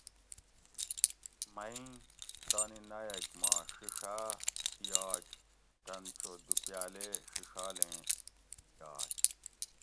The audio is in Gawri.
میٔں تانی نایٔک ما ڛِڛا دیاگ تن چو دو پیالے ڛڛالیں گی یاگ